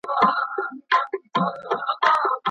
ایا ملي بڼوال انځر پلوري؟